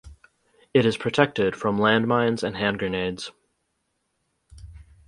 It is protected from land mines and hand grenades.